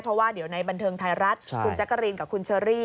เพราะว่าเดี๋ยวในบันเทิงไทยรัฐคุณแจ๊กกะรีนกับคุณเชอรี่